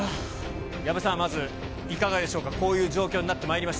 矢部さん、まずいかがでしょうか、こういう状況になってまい